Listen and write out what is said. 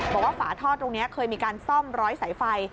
ฝาทอดตรงนี้เคยมีการซ่อมร้อยสายไฟ